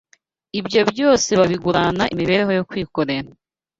ibyo byose babigurana imibereho yo kwikorera